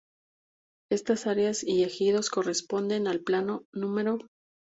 Estas Áreas y Ejidos corresponden al Plano No.